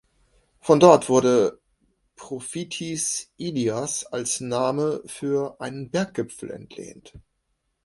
Von dort wurde "Profitis Ilias" als Name für einen Berggipfel entlehnt.